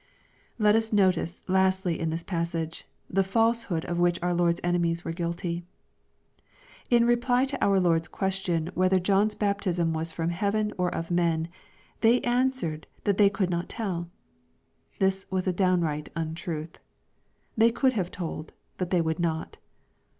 Let us notice, lastly, in this passage, the falsehood of which our Lord's enemies were guilty. In reply to our Lord's question whether John's baptism was from heaven or of men, " they answered that they could not telL" This was a downright untruth. They could have told, but they would not.